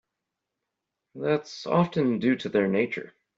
That's often due to their nature.